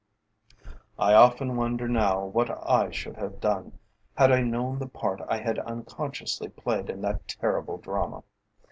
I often wonder now what I should have done, had I known the part I had unconsciously played in that terrible drama.